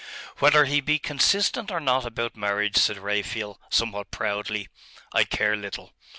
'Whether he be consistent or not about marriage,' said Raphael, somewhat proudly, 'I care little.